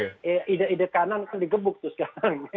ide ide kanan kan digebuk tuh sekarang